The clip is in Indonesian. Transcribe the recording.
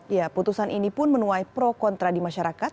ya putusan ini pun menuai pro kontra di masyarakat